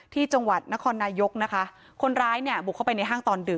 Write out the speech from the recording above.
ที่จังหวัดนครนายกนะคะคนร้ายเนี่ยบุกเข้าไปในห้างตอนดึก